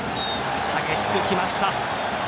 激しく来ました。